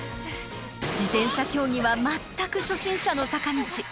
自転車競技は全く初心者の坂道。